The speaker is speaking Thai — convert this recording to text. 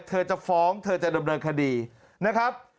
จะฟ้องเธอจะดำเนินคดีนะครับ